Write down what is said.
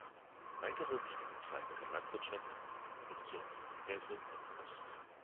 Weitere wichtige Zweige der Landwirtschaft sind die Produktion von Käse und Wurst.